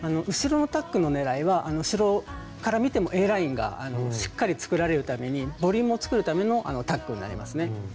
後ろのタックのねらいは後ろから見てもＡラインがしっかり作られるためにボリュームを作るためのタックになりますね。